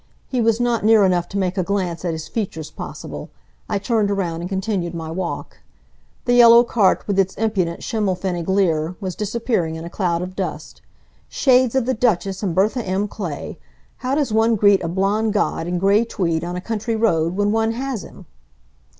He was not near enough to make a glance at his features possible. I turned around and continued my walk. The yellow cart, with its impudent Schimmelpfennig leer, was disappearing in a cloud of dust. Shades of the "Duchess" and Bertha M. Clay! How does one greet a blond god in gray tweed on a country road, when one has him!